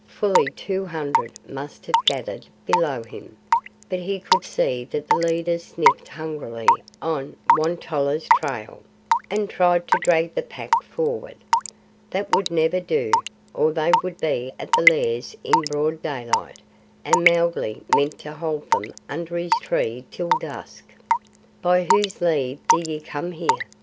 Fully two hundred must have gathered below him, but he could see that the leaders sniffed hungrily on Won tolla's trail, and tried to drag the Pack forward. That would never do, or they would be at the Lairs in broad daylight, and Mowgli meant to hold them under his tree till dusk. "By whose leave do ye come here?"